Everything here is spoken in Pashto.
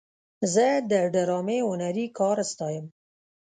زه د ډرامې هنري کار ستایم.